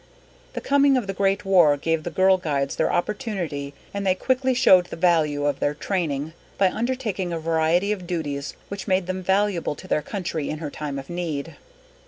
_ _The coming of the Great War gave the Girl Guides their opportunity, and they quickly showed the value of their training by undertaking a variety of duties which made them valuable to their country in her time of need.